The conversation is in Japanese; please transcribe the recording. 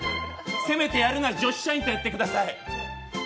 せめてやるなら女子社員とやってください。